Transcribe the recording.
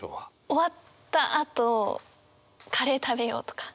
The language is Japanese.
終わったあとカレー食べようとか。